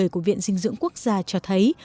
của viện dinh dưỡng quốc gia cho thấy